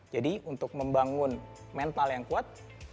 jadi untuk membangun mental yang kuat